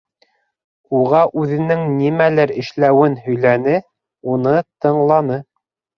Уға үҙенең нимәләр эшләүен һөйләне, уны тыңланы.